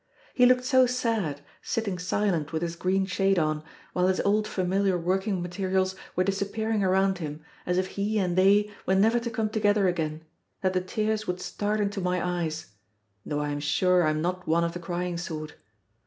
He looked so sad, sitting silent with his green shade on, while his old familiar working materials were disappearing around him, as if he and they were never to come together again, that the tears would start into my eyes, though I am sure I am not one of the crying sort.